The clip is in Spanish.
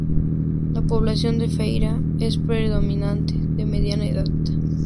La población de Feira es predominantemente de mediana edad.